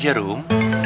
diangkat aja rom